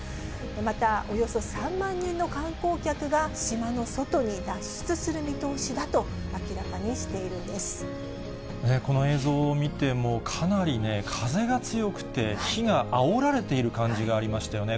また、およそ３万人の観光客が島の外に脱出する見通しだと明らかにしてこの映像を見ても、かなり風が強くて、火があおられている感じがありましたよね。